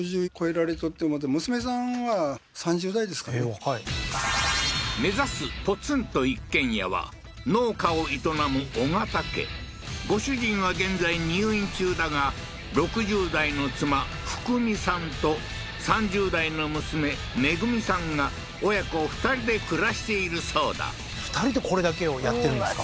若い目指すポツンと一軒家は農家を営むオガタ家ご主人は現在入院中だが６０代の妻フクミさんと３０代の娘メグミさんが親子２人で暮らしているそうだ２人でこれだけをやってるんですか？